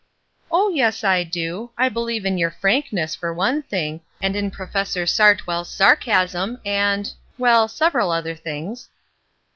" Oh, yes I do. I believe in your frankness, for one thing, and in Professor Sartwell's sar casm, and — well, several other things."